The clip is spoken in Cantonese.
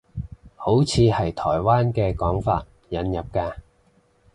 好似係台灣嘅講法，引入嘅